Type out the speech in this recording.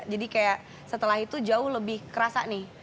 jadi kayak setelah itu jauh lebih kerasa nih